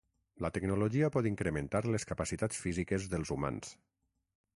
La tecnologia pot incrementar les capacitats físiques dels humans.